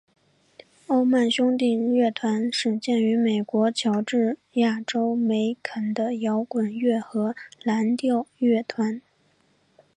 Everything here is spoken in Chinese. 欧曼兄弟乐团始建于美国乔治亚州梅肯的摇滚乐和蓝调乐团。